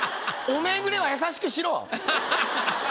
おめぇぐらいは優しくしろ！